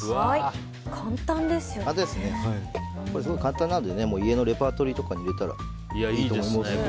すごく簡単なので家のレパートリーに入れたらいいと思います。